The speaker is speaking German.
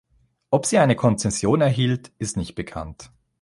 Ob sie eine Konzession erhielt ist nicht bekannt.